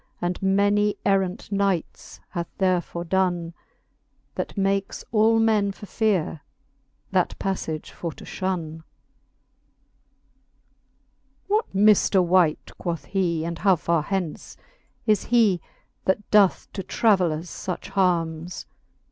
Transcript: And many errant knights hath there fordonne ; That makes all men for feare that paflage for to ihonne. V. What mifter wight, quoth he, and how far hence Is he, that doth to travellers fuch harmes?